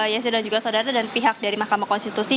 yesi dan juga saudara dan pihak dari mahkamah konstitusi